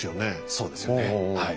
そうですよねはい。